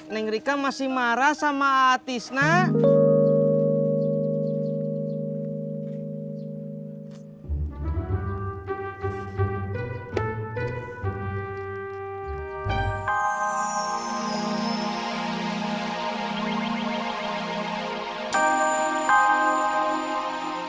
neng rika masih marah sama atis nak